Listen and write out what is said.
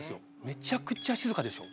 めちゃくちゃ静かでしょ？